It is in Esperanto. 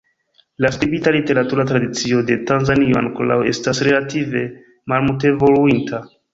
La skriba literatura tradicio de Tanzanio ankoraŭ estas relative malmultevoluinta.